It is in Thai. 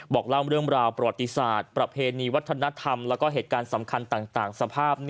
บอกเล่าเรื่องราวประวัติศาสตร์ประเพณีวัฒนธรรมแล้วก็เหตุการณ์สำคัญต่างสภาพ